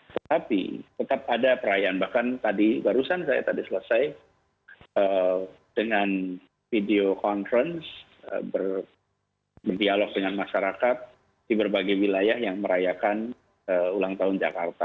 tetapi tetap ada perayaan bahkan tadi barusan saya tadi selesai dengan video conference berdialog dengan masyarakat di berbagai wilayah yang merayakan ulang tahun jakarta